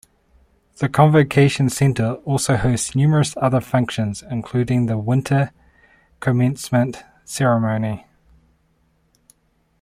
The Convocation Center also hosts numerous other functions including the winter commencement ceremony.